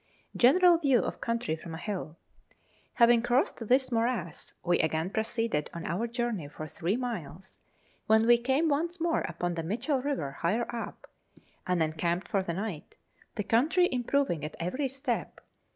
General View of Country from a Hill. Having crossed this morass, we again proceeded on our journey for three miles, when we came once more upon the Mitchell River higher up, and encamped for the night, the country improving at every step.